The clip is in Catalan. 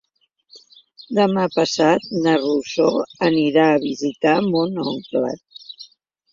Demà passat na Rosó anirà a visitar mon oncle.